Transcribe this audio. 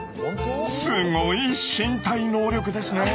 すごい身体能力ですね。